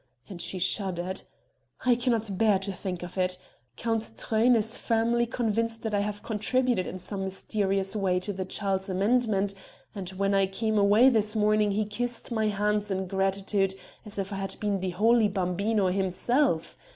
and she shuddered; "I cannot bear to think of it. Count Truyn is firmly convinced that I have contributed in some mysterious way to the child's amendment, and when I came away this morning he kissed my hands in gratitude as if I had been the holy Bambino himself.